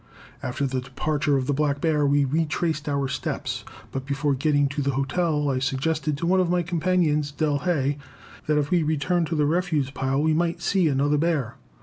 ] After the departure of the black bear we retraced our steps, but before getting to the hotel I suggested to one of my companions, Del. Hay, that if we returned to the refuse pile we might see another bear.